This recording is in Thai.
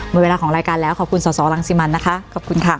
หมดเวลาของรายการแล้วขอบคุณสอสอรังสิมันนะคะขอบคุณค่ะ